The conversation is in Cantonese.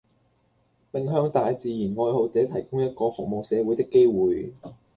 並向大自然愛好者提供一個服務社會的機會